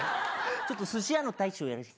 ちょっと寿司屋の大将やらして。